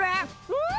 うん。